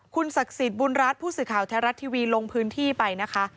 คุณศักดิ์สิทธิ์บุญรัฐผู้สื่อข่าวแท้รัฐทีวีลงพื้นที่ไปนะคะ